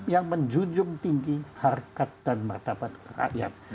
yang menjunjung tinggi harkat dan martabat rakyat